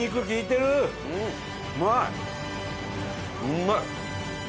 うまい！